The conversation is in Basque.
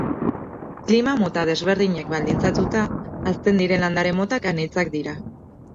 Klima mota desberdinek baldintzatuta, hazten diren landare-motak anitzak dira.